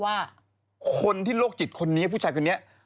ว่าคนที่โรคจิตคนนี้ผู้ถูกลุ่มนี้